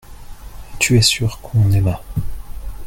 tu es sûr qu'on aima.